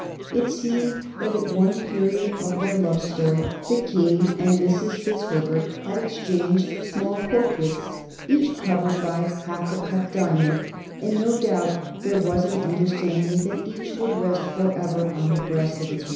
It seemed that at one period of their love story the King and Mrs. Fitzherbert had exchanged small portraits, each covered by half a cut diamond, and no doubt there was an understanding that each should rest forever on the breast of its wearer.